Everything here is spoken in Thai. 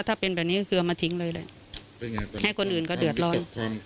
ถ้าเป็นแบบนี้ก็คือเอามาทิ้งเลยแหละให้คนอื่นก็เดือดร้อน